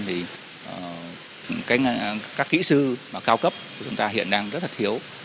thì các kỹ sư mà cao cấp của chúng ta hiện đang rất là thiếu